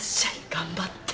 頑張って。